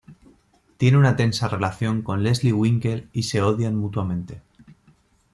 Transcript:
Tiene una tensa relación con Leslie Winkle y se odian mutuamente.